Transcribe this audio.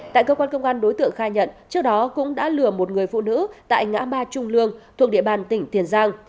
tại cơ quan công an đối tượng khai nhận trước đó cũng đã lừa một người phụ nữ tại ngã ba trung lương thuộc địa bàn tỉnh tiền giang